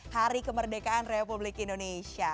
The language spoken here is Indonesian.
hari kemerdekaan republik indonesia